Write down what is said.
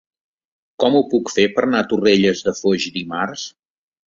Com ho puc fer per anar a Torrelles de Foix dimarts?